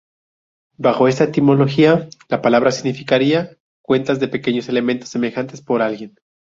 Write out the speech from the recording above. Bajo esta etimología, la palabra significaría "cuentas de pequeños elementos semejantes por alguien".